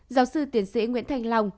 giáo sư tiến sĩ nguyễn thành long